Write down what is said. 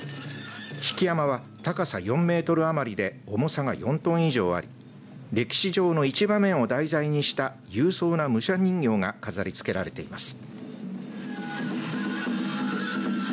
曳山は高さ４メートル余りで重さが４トン以上あり歴史上の一場面を題材にした勇壮な武者人形が飾りつけられています。